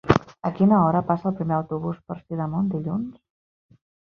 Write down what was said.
A quina hora passa el primer autobús per Sidamon dilluns?